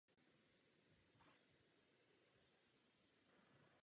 Velmi si vážím všeho, co bylo řečeno.